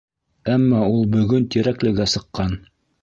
Әммә ул бөгөн Тирәклегә сыҡҡан.